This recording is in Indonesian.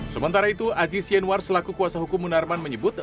sementara itu aziz yanwar selaku kuasa hukum munarman menyebut